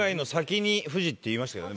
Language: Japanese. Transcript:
言いましたけどね